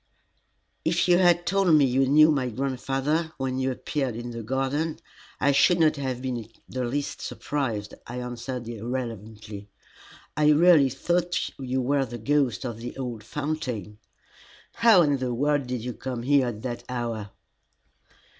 "If you had told me you knew my grandfather when you appeared in the garden, I should not have been in the least surprised," I answered rather irrelevantly. "I really thought you were the ghost of the old fountain. How in the world did you come there at that hour?"